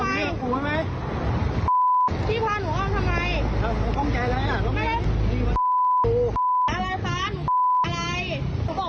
มึงเป็นใคร